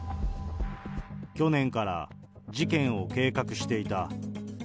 去年から事件を計画していた。